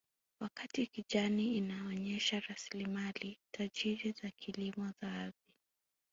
Wakati kijani inaonyesha rasilimali tajiri za kilimo za ardhi